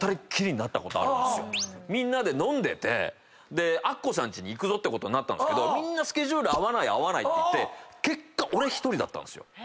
みんなで飲んでてアッコさんちに行くってなったけどみんなスケジュール合わない合わないっていって結果俺１人だった。